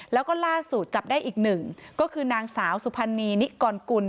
แล้วก็ล่าสุดจับได้อีกหนึ่งก็คือนางสาวสุพรรณีนิกรกุล